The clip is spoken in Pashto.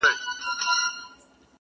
هم جواب دی هم مي سوال دی,